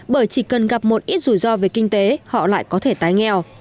bởi chỉ cần gặp một ít rủi ro về kinh tế họ lại có thể tái nghèo